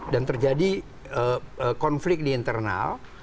terjadi konflik di internal